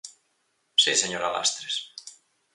Si, señora Lastres.